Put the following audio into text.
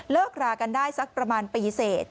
รากันได้สักประมาณปีเสร็จ